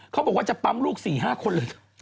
เขาบอกว่าจะปั๊มลูก๔๕คนเลย